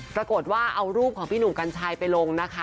ปรากฏว่าเอารูปของพี่หนุ่มกัญชัยไปลงนะคะ